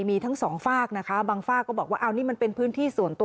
มีทั้งสองฝากนะคะบางฝากก็บอกว่าเอานี่มันเป็นพื้นที่ส่วนตัว